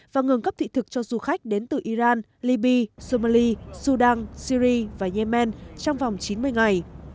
và ngừng cấp thị thực cho du khách đến từ iran libya somalia sudan syri và yemen trong vòng chín mươi ngày